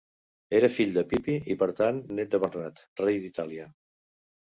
Era fill de Pipí i per tant nét de Bernat, rei d'Itàlia.